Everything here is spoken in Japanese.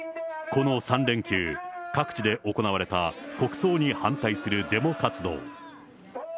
この３連休、各地で行われた国葬に反対するデモ活動。